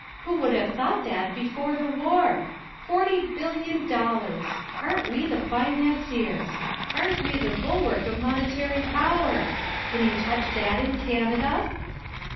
"Who would have thought that before the war! Forty billion dollars! Aren't we the financiers! Aren't we the bulwark of monetary power! Can you touch that in Canada?"